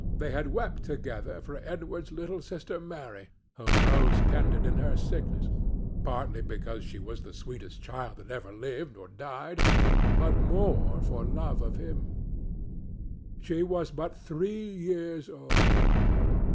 They had wept together for Edward's little sister Mary, whom Rose tended in her sickness—partly because she was the sweetest child that ever lived or died, but more for love of him. She was but three years old.